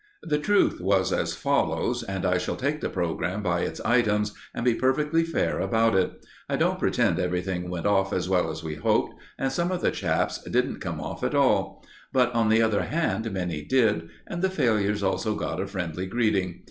The truth was as follows, and I shall take the programme by its items, and be perfectly fair about it. I won't pretend everything went off as well as we hoped, and some of the chaps didn't come off at all; but, on the other hand, many did, and the failures also got a friendly greeting.